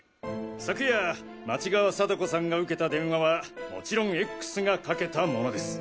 昨夜町側貞子さんが受けた電話はもちろんＸがかけたものです。